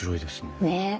ねえ。